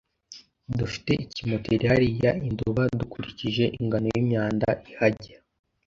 Dufite ikimoteri hariya I Nduba dukurikije ingano y’ imyanda ihajya